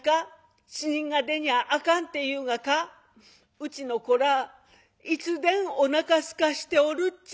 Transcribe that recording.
うちの子らいつでんおなかすかしておるっちゅう」。